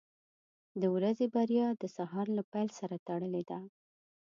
• د ورځې بریا د سهار له پیل سره تړلې ده.